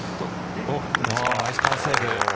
ナイスパーセーブ。